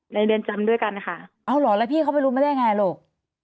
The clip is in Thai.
เรือนจำด้วยกันค่ะเอาเหรอแล้วพี่เขาไปรู้มาได้ยังไงลูก